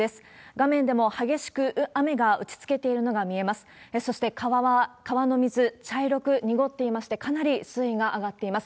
画面でも激しく雨が打ちつけているのが見えます。